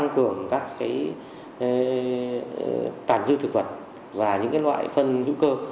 các loại phân hữu cơ